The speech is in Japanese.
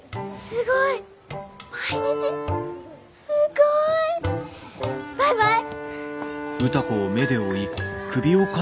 すごい。バイバイ！